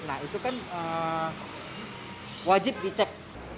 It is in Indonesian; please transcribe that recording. nah itu kan wajib dicek